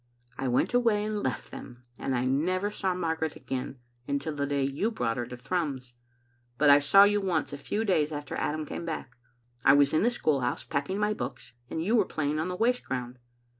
' "I went away and left them, and I never saw Mar garet again until the day you brought her to Thrums. But I saw you once, a few days after Adam came back. I was in the school house, packing my books, and you were playing on the waste ground.